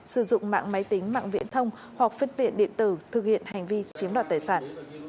sử dụng mạng máy tính mạng viễn thông hoặc phương tiện điện tử thực hiện hành vi chiếm đoạt tài sản